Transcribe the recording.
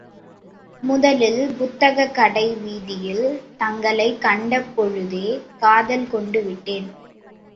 முதலில் புத்தகக் கடை வீதியில் தங்களைக் கண்ட பொழுதே காதல் கொண்டு விட்டேன்.